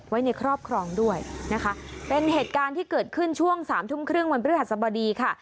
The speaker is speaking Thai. ไว้ในครอบครองด้วยนะคะเป็นเหตุการณ์ที่เกิดขึ้นช่วงสามทุ่มครึ่งวันพฤหัสบดีค่ะ